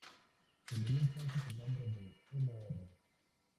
Se le dio entonces el nombre de "Mr.